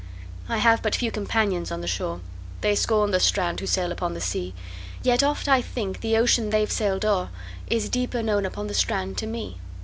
I have but few companions on the shore:They scorn the strand who sail upon the sea; Yet oft I think the ocean they've sailed o'erIs deeper known upon the strand to me.